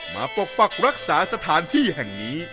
ปกปักรักษาสถานที่แห่งนี้